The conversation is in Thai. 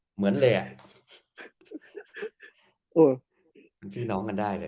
เหมือนเลยอะ